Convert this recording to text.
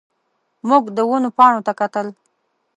موږ د ونو پاڼو ته کتل.